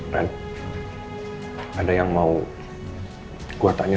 nathan ada yang main intinya